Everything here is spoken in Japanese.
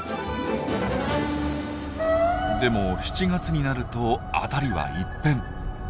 でも７月になると辺りは一変。